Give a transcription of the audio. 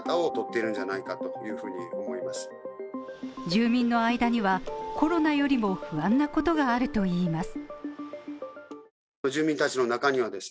住民の間にはコロナよりも不安なことがあるといいます。